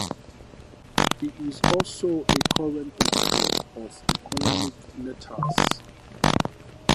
He is also a current editor of Economic Letters.